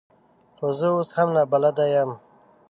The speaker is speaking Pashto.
خو زه اوس هم نابلده یم .